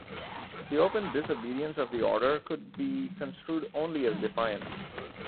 The open disobedience of the order could be construed only as defiance.